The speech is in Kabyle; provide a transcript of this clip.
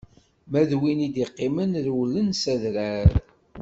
Ma d wid i d-iqqimen rewlen s adrar.